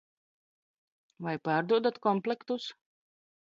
Vai pārdodat komplektus?